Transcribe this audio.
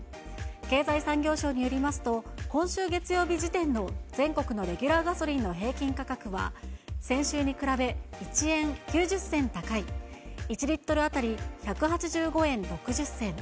経済産業省によりますと、今週月曜日時点の全国のレギュラーガソリンの平均価格は先週に比べ、１円９０銭高い１リットル当たり１８５円６０銭。